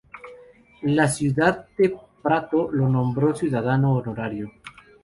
La ciudad de Prato lo nombró ciudadano honorario.